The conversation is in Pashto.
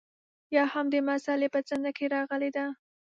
یا هم د مسألې په څنډه کې راغلې ده.